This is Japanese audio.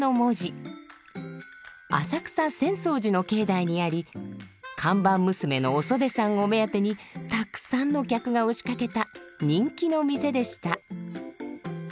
浅草浅草寺の境内にあり看板娘のおそでさんを目当てにたくさんの客が押しかけた人気の店でした。